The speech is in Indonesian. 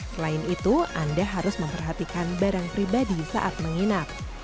selain itu anda harus memperhatikan barang pribadi saat menginap